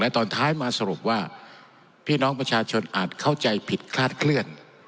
ตอนท้ายมาสรุปว่าพี่น้องประชาชนอาจเข้าใจผิดคลาดเคลื่อน